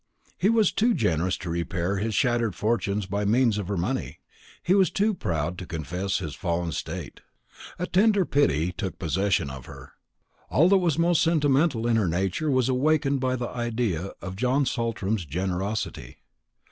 He was too generous to repair his shattered fortunes by means of her money; he was too proud to confess his fallen state. A tender pity took possession of her. All that was most sentimental in her nature was awakened by the idea of John Saltram's generosity.